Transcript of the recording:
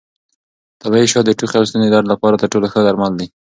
طبیعي شات د ټوخي او ستوني درد لپاره تر ټولو ښه درمل دي.